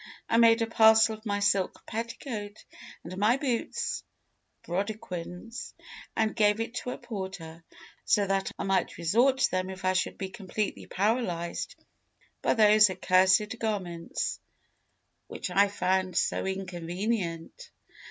I made a parcel of my silk petticoat and my boots (brodequins), and gave it to a porter, so that I might resort to them if I should be completely paralyzed by those accursed garments which I found so inconvenient.